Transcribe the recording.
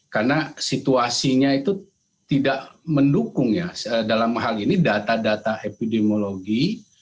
karena situasinya itu tidak mendukung dalam hal ini data data epidemiologi